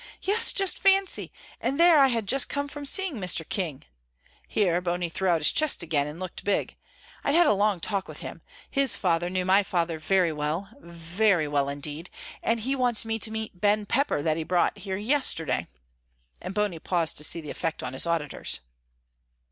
"Yes, just fancy. And there I had just come from seeing Mr. King," here Bony threw out his chest again and looked big. "I'd had a long talk with him; his father knew my father very well, very well indeed, and he wants me to meet Ben Pepper that he brought here yesterday," and Bony paused to see the effect on his auditors.